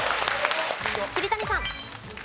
桐谷さん。